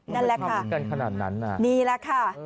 นั่นแหละค่ะมีแหละค่ะ